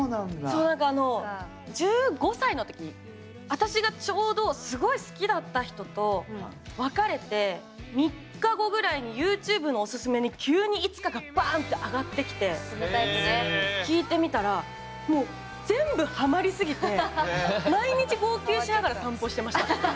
そう何かあの１５歳の時にあたしがちょうどすごい好きだった人と別れて３日後ぐらいにＹｏｕＴｕｂｅのおすすめに急に「いつか」がバンッて上がってきて聴いてみたらもう全部ハマりすぎて毎日号泣しながら散歩してました。